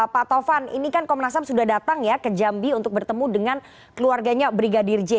pak tovan ini kan komnas ham sudah datang ya ke jambi untuk bertemu dengan keluarganya brigadir j